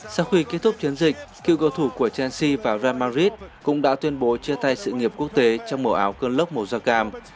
sau khi kết thúc chiến dịch cựu cầu thủ của chelsea và real madrid cũng đã tuyên bố chia tay sự nghiệp quốc tế trong mở áo cơn lốc màu da cam